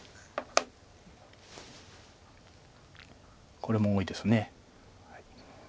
これも多いです。